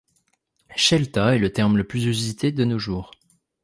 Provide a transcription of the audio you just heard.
Shelta est le terme le plus usité de nos jours.